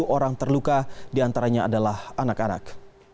tujuh orang terluka diantaranya adalah anak anak